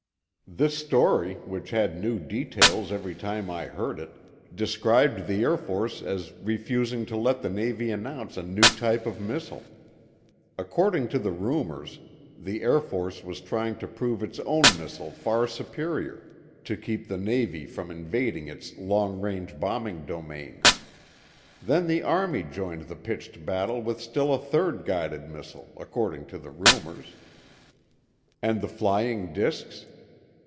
This story, which had new details every time I heard it described the Air Force as refusing to let the Navy announce a new type of missile. According to the rumors, the Air Force was trying to prove its own missile far superior, to keep the Navy from invading its long range bombing domain. Then the Army joined the pitched battle with still a third guided missile, according to the rumors. And the flying disks?